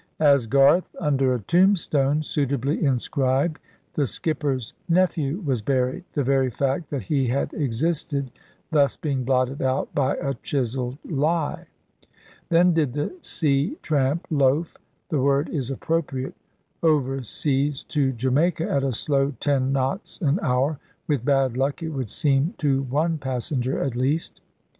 As Garth, under a tombstone suitably inscribed, the skipper's nephew was buried the very fact that he had existed thus being blotted out by a chiselled lie. Then did the sea tramp loaf the word is appropriate over seas to Jamaica at a slow ten knots an hour; with bad luck it would seem to one passenger, at least.